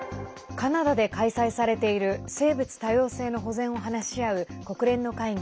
カナダで開催されている生物多様性の保全を話し合う国連の会議